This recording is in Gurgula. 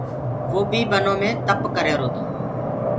وو بيٚ بنو مي تَپَ ڪريهرو تو